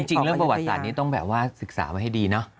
จริงเรื่องประวัติศาสตร์นี้ต้องแบบว่าศึกษาไว้ให้ดีเนอะ